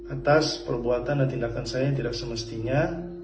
atas perbuatan dan tindakan saya yang tidak semestinya